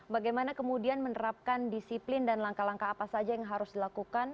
bagaimana kemudian menerapkan disiplin dan langkah langkah apa saja yang harus dilakukan